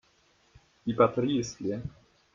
Die Batterie ist leer.